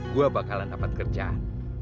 gue bakalan dapat kerjaan